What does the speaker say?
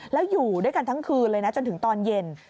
แล้วอยู่ด้วยกันทั้งคืนเลยนะจนถึงตอนเย็น